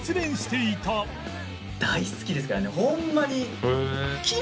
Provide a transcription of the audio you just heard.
大好きですからねホンマに。